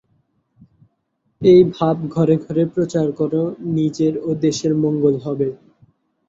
এই ভাব ঘরে ঘরে প্রচার কর, নিজের ও দেশের মঙ্গল হবে।